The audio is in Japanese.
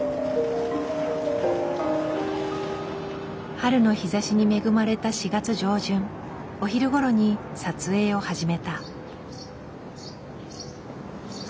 春の日ざしに恵まれた４月上旬お昼ごろに撮影を始めた。